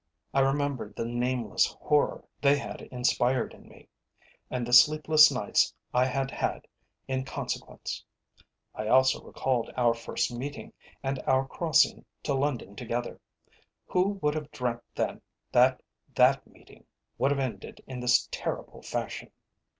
I remembered the nameless horror they had inspired in me, and the sleepless nights I had had in consequence. I also recalled our first meeting and our crossing to London together. Who would have dreamt then that that meeting would have ended in this terrible fashion?